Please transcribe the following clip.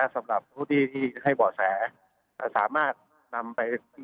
สำหรับผู้ที่ให้เบาะแสสามารถนำไป